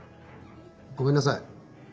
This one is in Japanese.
ごめんなさい。